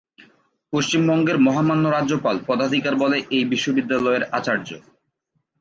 পশ্চিমবঙ্গের মহামান্য রাজ্যপাল পদাধিকার বলে এই বিশ্ববিদ্যালয়ের আচার্য।